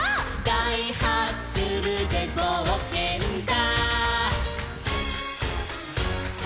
「だいハッスルでぼうけんだ」